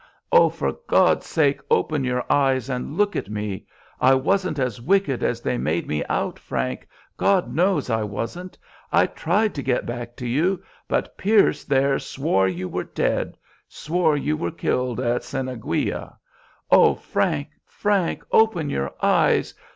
Oh, for God's sake, open your eyes and look at me! I wasn't as wicked as they made me out, Frank, God knows I wasn't. I tried to get back to you, but Pierce there swore you were dead, swore you were killed at Cieneguilla. Oh, Frank, Frank, open your eyes!